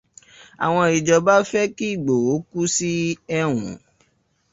Àwọn Ìjọba fẹ́ kí Ìgbòho kú sí ẹ̀wọ̀n.